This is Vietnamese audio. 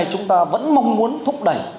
thanh toán điện tử